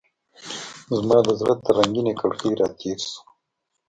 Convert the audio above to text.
زما د زړه تر رنګینې کړکۍ راتیر شو